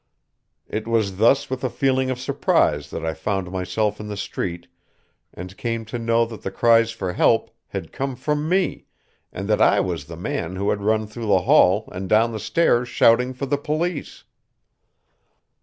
It was thus with a feeling of surprise that I found myself in the street, and came to know that the cries for help had come from me, and that I was the man who had run through the hall and down the stairs shouting for the police.